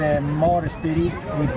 pemain dan orang orang kita